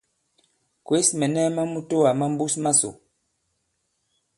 Kwěs mɛ̀nɛ ma mutoà ma mbus masò.